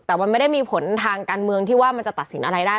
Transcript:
แต่มันไม่ได้มีผลทางการเมืองที่ว่ามันจะตัดสินอะไรได้